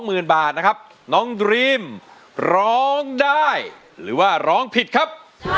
สองใจสองใจสองใจสองใจ